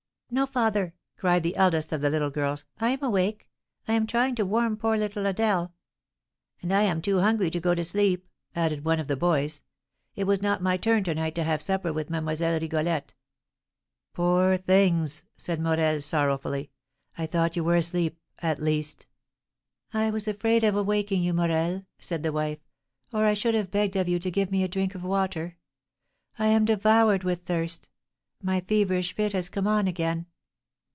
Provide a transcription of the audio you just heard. "No, father," cried the eldest of the little girls, "I am awake; I am trying to warm poor little Adèle." "And I am too hungry to go to sleep," added one of the boys; "it was not my turn to night to have supper with Mlle. Rigolette." "Poor things!" said Morel, sorrowfully; "I thought you were asleep at least " "I was afraid of awaking you, Morel," said the wife, "or I should have begged of you to give me a drink of water; I am devoured with thirst! My feverish fit has come on again!"